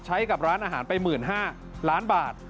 ใช้กับร้านอาหารไป๑๕๐๐ล้านบาท